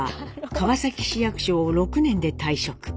川崎市役所を６年で退職。